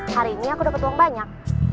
hari ini aku dapat uang banyak